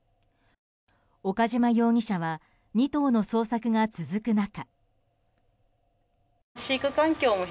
岡島容疑者は２頭の捜索が続く中。